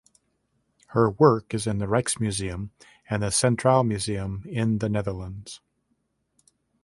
Her work is in the Rijksmuseum and the Centraal Museum in the Netherlands.